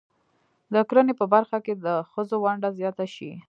د کرنې په برخه کې د ښځو ونډه زیاته شي.